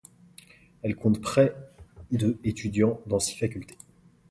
Elle compte près de étudiants dans six facultés.